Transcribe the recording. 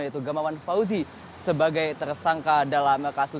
yaitu gamawan fauzi sebagai tersangka